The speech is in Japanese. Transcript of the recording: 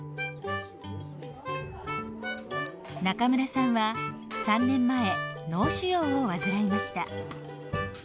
中村さんは３年前脳腫瘍を患いました。